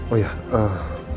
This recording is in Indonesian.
oh ya eh